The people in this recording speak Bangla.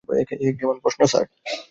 এ কেমন প্রশ্ন, স্যার?